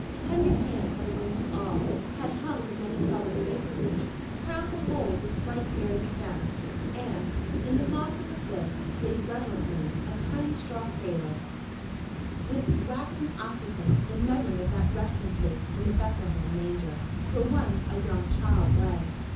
Tender hands had arranged all, had hung the many colored tapers, crowned the whole with bright berried stems, and, in the moss at the foot, laid reverently a tiny straw cradle, with waxen occupant, in memory of that resting place in the Bethlehem manger where once a "young child lay."